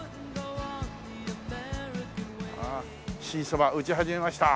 「新そば打ち始めました」